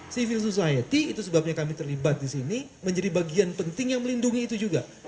civil society itu sebabnya kami terlibat di sini menjadi bagian penting yang melindungi itu juga